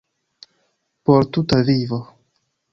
Por tuta vivo.